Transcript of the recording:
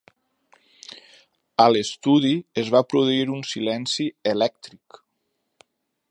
A l'estudi es va produir un silenci elèctric.